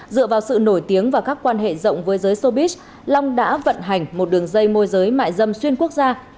dựa vào sự nổi tiếng và các quan hệ rộng với giới sobis long đã vận hành một đường dây môi giới mại dâm xuyên quốc gia